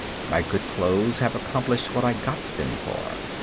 My good clothes have accomplished what I got them for.